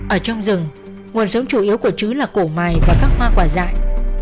ở trong rừng nguồn sống chủ yếu của trứng là cổ mài và các hoa quả dại